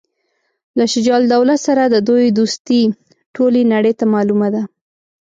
له شجاع الدوله سره د دوی دوستي ټولي نړۍ ته معلومه ده.